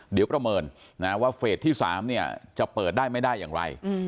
เดี๋ยวประเมินว่าเฟสที่๓จะเปิดได้ไม่ได้อย่างไร